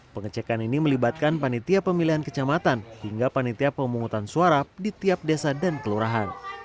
pengecekan ini melibatkan panitia pemilihan kecamatan hingga panitia pemungutan suara di tiap desa dan kelurahan